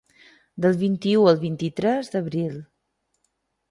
Del vint-i-u al vint-i-tres d’abril.